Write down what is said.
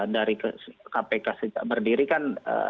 dari kpk sejak berdiri kan